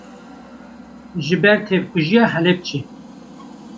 ji ber tevkujiya Helepçê